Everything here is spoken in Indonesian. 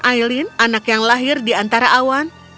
aileen anak yang lahir di antara awan